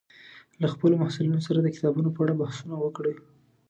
له خپلو محصلینو سره د کتابونو په اړه بحثونه وکړئ